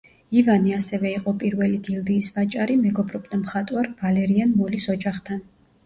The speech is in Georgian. ივანე ასევე იყო პირველი გილდიის ვაჭარი, მეგობრობდა მხატვარ ვალერიან მოლის ოჯახთან.